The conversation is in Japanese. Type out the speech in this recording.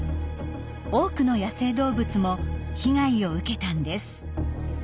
多くの野生動物も被害を受けたんです。